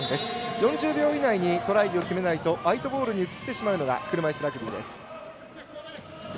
４０秒以内にトライを決めないと相手ボールに移ってしまうのが車いすラグビーです。